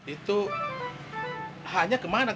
itu hanya kemana mana kok